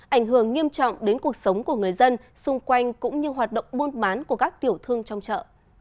ảnh hưởng nghiêm trọng đến cuộc sống của người dân xung quanh cũng như hoạt động buôn bán của các tiểu thương trong chợ